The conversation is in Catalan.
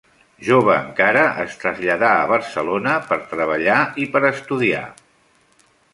Jove encara, es traslladà a Barcelona, per treballar i per estudiar.